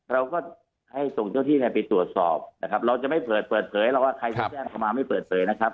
เราก็ให้ส่งเจ้าที่ไปตรวจสอบนะครับเราจะไม่เปิดเปิดเผยหรอกว่าใครที่แจ้งเข้ามาไม่เปิดเผยนะครับ